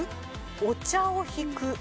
お茶を挽く。